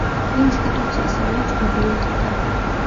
ინსტიტუტს ასევე აქვს ბიბლიოთეკა.